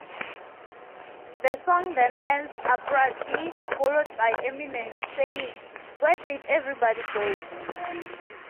The song then ends abruptly, followed by Eminem saying, "Where did everybody go?".